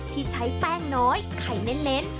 ที่ใช้แป้งน้อยไข่เน้น